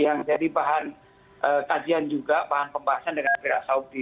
yang jadi bahan kajian juga bahan pembahasan dengan pihak saudi